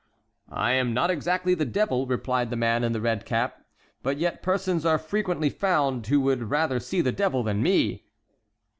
"I am not exactly the devil," replied the man in the red cap; "but yet persons are frequently found who would rather see the devil than me."